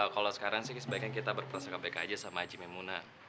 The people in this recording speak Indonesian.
kalau sekarang sih sebaiknya kita berperasaan baik baik aja sama haji maimunah